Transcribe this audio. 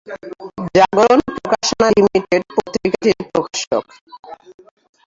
জাগরণ প্রকাশনা লিমিটেড পত্রিকাটির প্রকাশক।